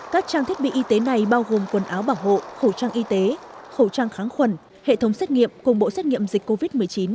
các trang thiết bị y tế này bao gồm quần áo bảo hộ khẩu trang y tế khẩu trang kháng khuẩn hệ thống xét nghiệm cùng bộ xét nghiệm dịch covid một mươi chín